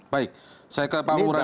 baik saya ke pak muradi sekarang